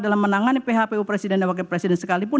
dalam menangani phpu presiden dan wakil presiden sekalipun